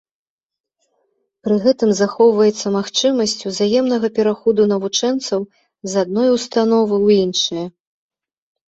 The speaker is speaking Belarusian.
Пры гэтым захоўваецца магчымасць узаемнага пераходу навучэнцаў з адной установы ў іншае.